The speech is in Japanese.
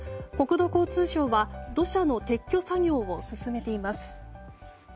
国土交通省は土砂の撤去作業を進めています。